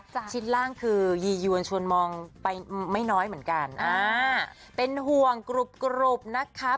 ชิ้นล่างคือยียวนชวนมองไปไม่น้อยเหมือนกันอ่าเป็นห่วงกรุบกรุบนะคะ